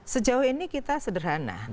sejauh ini kita sederhana